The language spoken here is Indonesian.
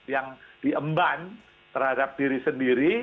yang diemban terhadap diri sendiri